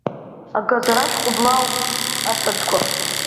Агаӡара шәҟәыблаауп асаӡқәа.